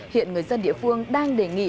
hiện người dân địa phương đang đề nghị